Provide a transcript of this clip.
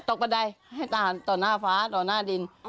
นี่ตกบันไดต่อหน้าฟ้าต่อหน้าดิน